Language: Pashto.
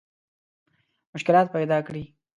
مشکلات پیدا کړي.